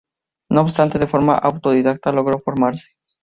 No obstante, de forma autodidacta logró formarse.